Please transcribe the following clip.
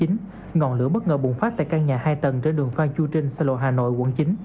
ngọn lửa bất ngờ bùng phát tại căn nhà hai tầng trên đường phan chu trinh sát lộ hà nội quận chín